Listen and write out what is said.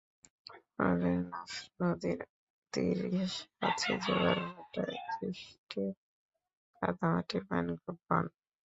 পূর্ব পাশে নাফ নদীর তীর ঘেষে আছে জোয়ার ভাটায় সৃষ্ট কাদা মাটির ম্যানগ্রোভ বন।